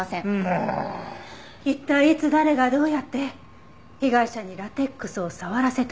一体いつ誰がどうやって被害者にラテックスを触らせたのか？